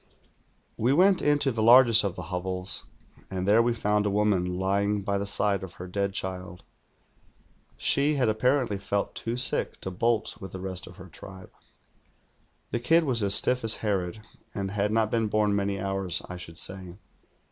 "We went into the largest of the hovels, and thei'o we foimd a woman lying by the side of her dead child. She had apparently felt too sick to bolt with I lie rest of her tribe. The kid was as stiff as Ilerod, and had not been born many hours, I should say.